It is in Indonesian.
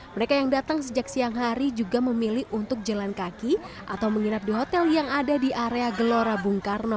mereka yang datang sejak siang hari juga memilih untuk jalan kaki atau menginap di hotel yang ada di area gelora bung karno